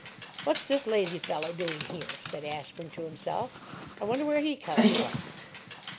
"What's this lazy fellow doing here?" said Ashburn, to himself. "I wonder where he comes from?"